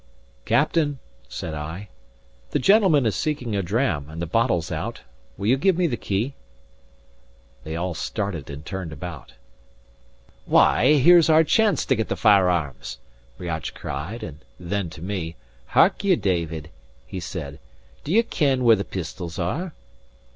"Captain," said I, "the gentleman is seeking a dram, and the bottle's out. Will you give me the key?" They all started and turned about. "Why, here's our chance to get the firearms!" Riach cried; and then to me: "Hark ye, David," he said, "do ye ken where the pistols are?"